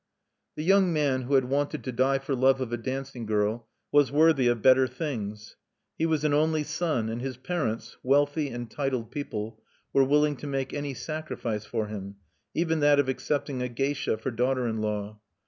The young man who had wanted to die for love of a dancing girl was worthy of better things. He was an only son and his parents, wealthy and titled people, were willing to make any sacrifice for him, even that of accepting a geisha for daughter in law.